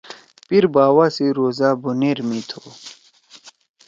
پیرباوا سی روزا بونیر می تُھو۔